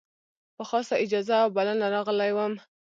په خاصه اجازه او بلنه راغلی وم.